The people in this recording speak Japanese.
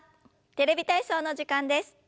「テレビ体操」の時間です。